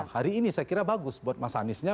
hari ini saya kira bagus buat mas aniesnya